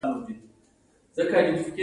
وعلیکم السلام هو راځئ چې نوی بحث پیل کړو